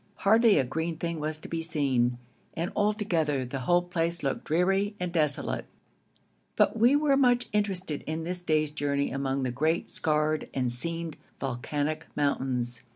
Hardly a green thing was to be seen, and altogether the whole place looked dreary and desolate; but we were much interested in this day's journey among the great scarred and seamed volcanic mountains.